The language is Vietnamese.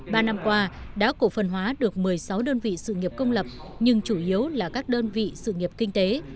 ba năm qua đã cổ phần hóa được một mươi sáu đơn vị sự nghiệp công lập nhưng chủ yếu là các đơn vị sự nghiệp kinh tế